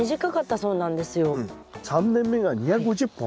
３年目が２５０本？